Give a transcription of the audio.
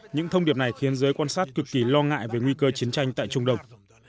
những thông điệp này khiến giới quan sát cực kỳ lo ngại về nguy cơ chiến tranh tại trung đông